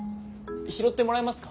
拾ってもらえますか？